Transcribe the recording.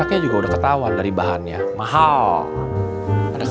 ya udah tuh yuk